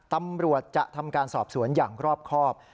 ตำรวจจะทำการสอบสวนอย่างรอบครอบ